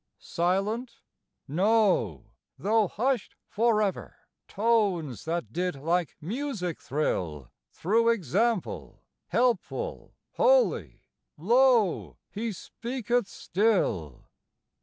Silent? No; tho' hushed forever Tones that did like music thrill, Through example, helpful, holy, Lo, he speaketh still.